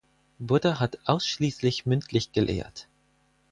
Buddha hat ausschließlich mündlich gelehrt.